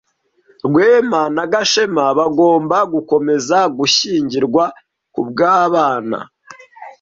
Rwema na Gashema bagomba gukomeza gushyingirwa kubwabana.